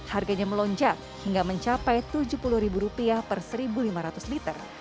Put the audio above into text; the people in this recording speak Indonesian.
harganya melonjak hingga mencapai rp tujuh puluh per satu lima ratus liter